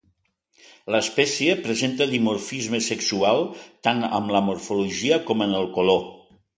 L'espècie presenta dimorfisme sexual tant en la morfologia com en el color.